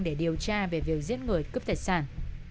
để điều tra về việc giết người cướp tài sản